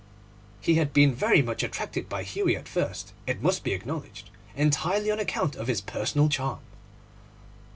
He had been very much attracted by Hughie at first, it must be acknowledged, entirely on account of his personal charm.